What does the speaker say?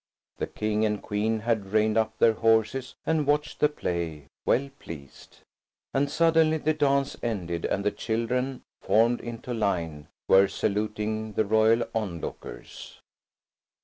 The King and Queen had reined up their horses and watched the play, well pleased. And suddenly the dance ended and the children, formed into line, were saluting the royal onlookers.